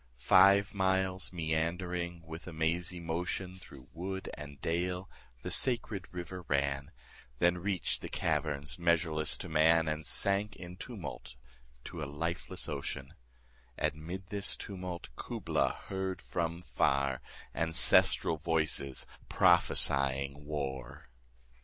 Five miles meandering with a mazy motion 25 Through wood and dale the sacred river ran, Then reach'd the caverns measureless to man, And sank in tumult to a lifeless ocean: And 'mid this tumult Kubla heard from far Ancestral voices prophesying war!